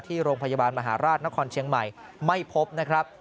ที่โรงพยาบาลมหาราชนครเชียงใหม่ไม่พบนะครับ